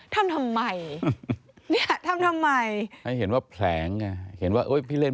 ทำทำไมเนี่ยทำทำไมให้เห็นว่าแผลงไงเห็นว่าเอ้ยพี่เล่น